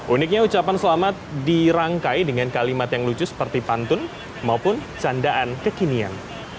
uniknya ucapan selamat dirangkai dengan kalimat yang lucu seperti pantun maupun candaan kekinian